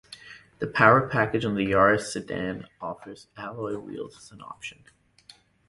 The power package on the Yaris sedan offers alloy wheels as an option.